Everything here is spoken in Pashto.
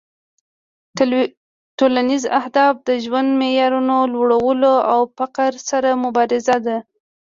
ټولنیز اهداف د ژوند معیارونو لوړول او فقر سره مبارزه ده